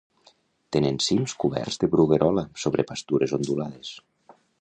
Tenen cims coberts de bruguerola sobre pastures ondulades.